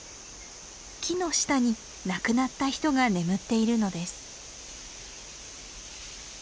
木の下に亡くなった人が眠っているのです。